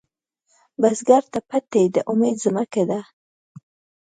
بزګر ته پټی د امید ځمکه ده